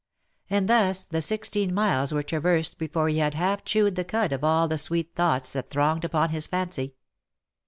And thus the sixteen miles were traversed before he had half chewed the cud of all the sweet thoughts that thronged upon his fancy.